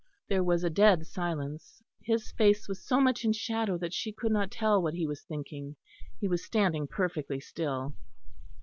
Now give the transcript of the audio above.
There was a dead silence. His face was so much in shadow that she could not tell what he was thinking. He was standing perfectly still.